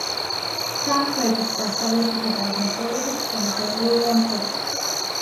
სამხრეთით, დასავლეთითა და აღმოსავლეთით შემოსაზღვრულია მთებით.